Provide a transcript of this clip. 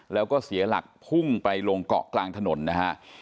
แล้วก็เสียหลักพุ่งไปลงเกาะกลางถนนนะฮะ